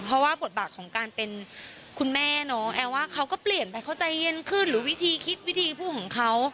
เพราะว่าบทบาทของการเป็นคุณแม่น้องแอลว่าเขาก็เปลี่ยนไปเขาใจเย็นขึ้นหรือวิธีคิดวิธีพูดของเขา